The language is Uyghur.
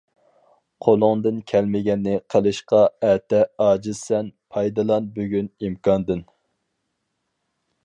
قولۇڭدىن كەلمىگەننى قىلىشقا ئەتە-ئاجىزسەن پايدىلان بۈگۈن ئىمكاندىن.